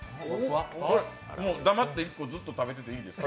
もうだまって１個ずっと食べてていいんですか。